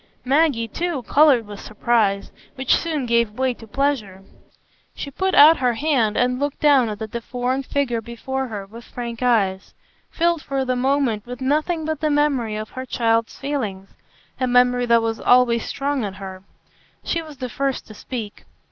Maggie, too, coloured with surprise, which soon gave way to pleasure. She put out her hand and looked down at the deformed figure before her with frank eyes, filled for the moment with nothing but the memory of her child's feelings,—a memory that was always strong in her. She was the first to speak.